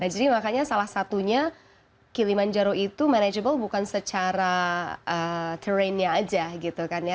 nah jadi makanya salah satunya kilimanjaro itu manageable bukan secara keraine nya aja gitu kan ya